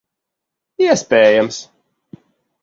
Iespējams.